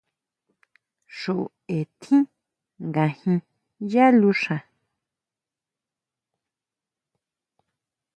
Xuʼbe tjín ngajin yá luxa.